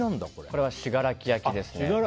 これは、信楽焼ですね。